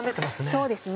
そうですね。